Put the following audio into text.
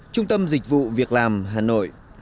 trung tâm dịch vụ việc làm hà nội